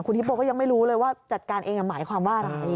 ฮิปโปก็ยังไม่รู้เลยว่าจัดการเองหมายความว่าอะไร